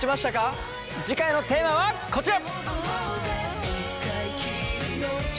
次回のテーマはこちら。